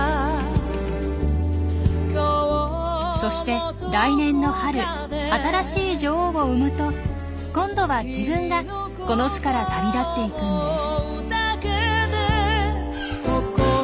そして来年の春新しい女王を産むと今度は自分がこの巣から旅立っていくんです。